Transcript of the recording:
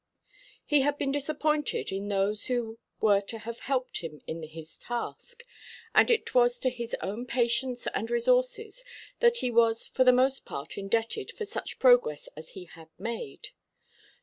He had been disappointed in those who were to have helped him in his task; and it was to his own patience and resources that he was for the most part indebted for such progress as he had made.